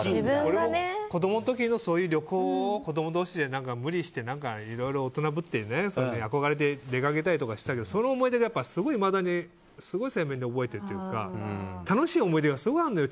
子供の時のそういう旅行を子供同士で無理していろいろ大人ぶって、憧れて出かけたりとかしたけどその思い出がいまだにすごい鮮明に覚えてるというか楽しい思い出がすごいあんのよ。